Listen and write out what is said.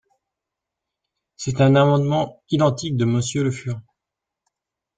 C’est un amendement identique de Monsieur Le Fur.